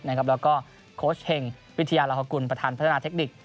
แล้วก็โค้ชเฮงวิทยาลาฮกุลประธานพัฒนาเทคนิค